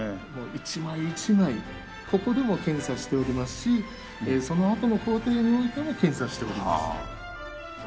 一枚一枚ここでも検査しておりますしそのあとの工程においても検査しております。